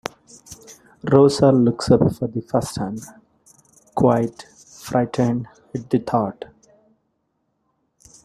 Rosa looks up for the first time, quite frightened at the thought.